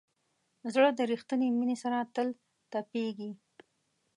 زړه د ریښتینې مینې سره تل تپېږي.